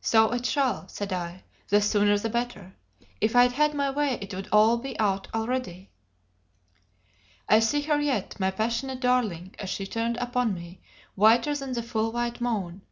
"So it shall," said I; "the sooner the better; if I'd had my way it would all be out already." I see her yet, my passionate darling, as she turned upon me, whiter than the full white moon.